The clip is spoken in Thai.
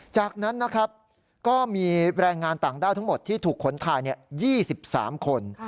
จากนั้นนะครับก็มีแรงงานต่างด้าวทั้งหมดที่ถูกขนถ่าย๒๓คน